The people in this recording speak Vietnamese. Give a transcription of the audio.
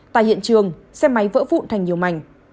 tại hiện trường xe máy vỡ vụn thành nhiều mảnh